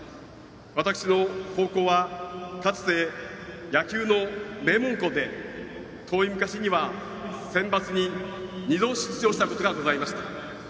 私の高校はかつて野球の名門校で遠い昔にはセンバツに２度出場したことがございました。